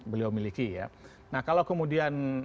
beliau miliki ya nah kalau kemudian